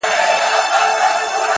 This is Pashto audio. سر دي و خورم که له درده بېګانه سوم,